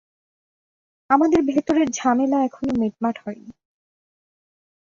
আমাদের ভেতরের ঝামেলা এখনো মিটমাট হয়নি।